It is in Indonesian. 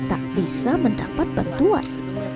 tak bisa mendapat bantuan